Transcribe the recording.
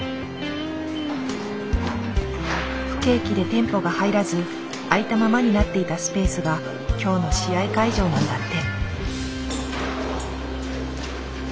不景気で店舗が入らず空いたままになっていたスペースが今日の試合会場なんだって。